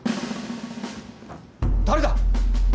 誰だ！？